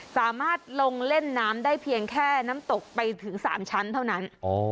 สามารถลงเล่นน้ำได้เพียงแค่น้ำตกไปถึง๓ชั้นเท่านั้น